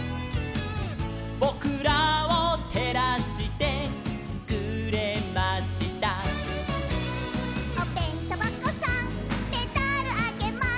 「ぼくらをてらしてくれました」「おべんとばこさんメダルあげます」